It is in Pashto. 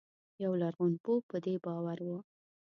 یو لرغونپوه په دې باور و.